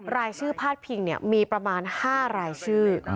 รายชื่อพาดพิงมีประมาณ๕รายชื่อ